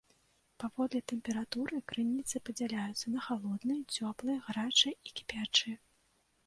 Паводле тэмпературы крыніцы падзяляюцца на халодныя, цёплыя, гарачыя і кіпячыя.